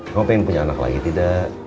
kamu pengen punya anak lagi tidak